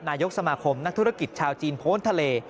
นายกสมาคมนักธุรกิจชาวจีนโพนทะเล